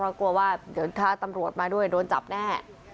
เพราะกลัวว่าเดี๋ยวถ้าตำรวจมาด้วยโดนจับแน่